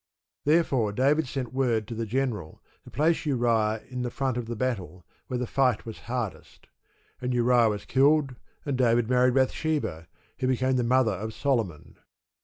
Therefore David sent word to the general to place Uriah in the front of the battle, where the fight was hardest. And Uriah was killed, and David married Bathsheba, who became the mother of Solomon.